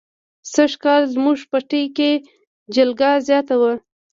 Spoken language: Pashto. سږ کال زموږ پټي کې جلگه زیاته وه.